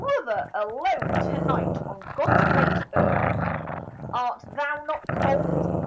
Brother, alone to night on God's great earth ; Art thou not cold